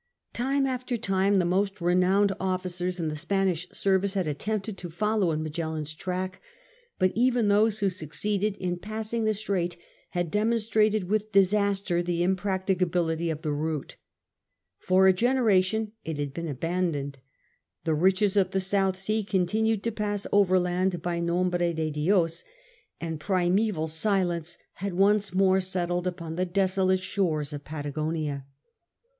Time after time the most renowned officers in the Spanish service had attempted to follow in Magellan's track, but even those who succeeded in passing the strait had demonstrated with disaster the impracticability of the route. For a genera tion it had been abandoned : the riches of the South Sea continued to pass overland by Nombre de Dios ; and i CHAP. V ELIZABETHAN COSMOGRAPHY 63 primeval silence had once more settled upon the desolate shores of Patagonia.